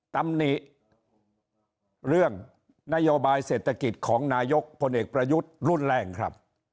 ตำหนิเรื่องนโยบายเศรษฐกิจของนายกพลเอกประยุทธ์รุนแรงครับ